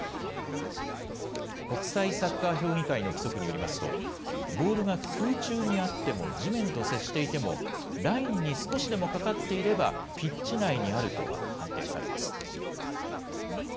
国際サッカー評議会の規則によりますと、ボールが空中にあっても、地面と接していても、ラインに少しでもかかっていれば、ピッチ内にあると判定されます。